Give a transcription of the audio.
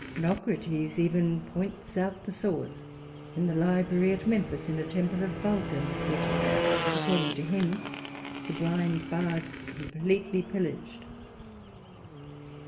Naucrates even points out the source in the library at Memphis in a temple of Vulcan, which according to him the blind bard completely pillaged.